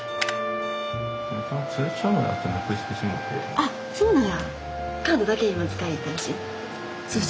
あっそうなんや。